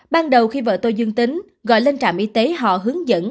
ban đầu khi vợ tôi dương tính gọi lên trạm y tế họ hướng dẫn